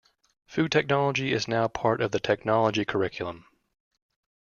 Food Technology is now part of the technology curriculum.